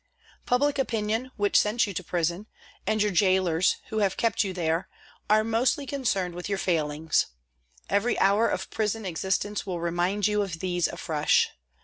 Public opinion, which sent you to prison, and your gaolers, who have to keep you there, are mostly con cerned with your failings. Every hour of prison existence will remind you of these afresh.